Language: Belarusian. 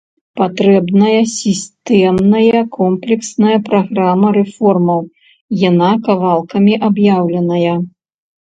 Патрэбная сістэмная комплексная праграма рэформаў, яна кавалкамі аб'яўленая.